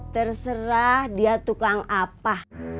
terserah dia tukang apa